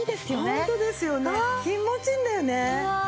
ホントですよね気持ちいいんだよね。